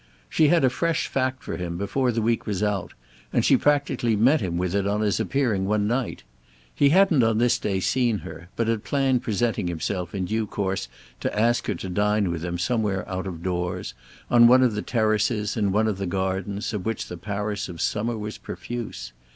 She had a fresh fact for him before the week was out, and she practically met him with it on his appearing one night. He hadn't on this day seen her, but had planned presenting himself in due course to ask her to dine with him somewhere out of doors, on one of the terraces, in one of the gardens, of which the Paris of summer was profuse.